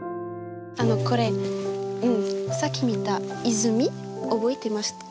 あのこれさっき見た泉覚えてますか？